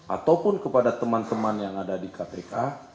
ataupun kepada teman teman yang ada di kpk